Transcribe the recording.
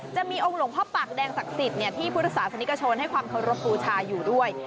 จะมีองค์หลวงพ่อปากแดงศักดิ์สิทธิ์ที่พุทธศาสนิกชนให้ความเคารพบูชาอยู่ด้วย